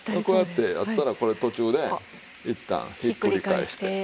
こうやってやったらこれ途中でいったんひっくり返して。